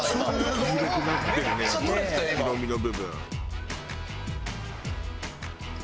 「ねえ」「白身の部分」